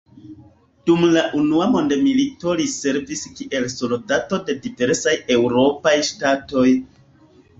Dum la unua mondmilito li servis kiel soldato de diversaj eŭropaj ŝtatoj.